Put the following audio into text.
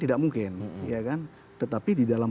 tidak mungkin tetapi di dalam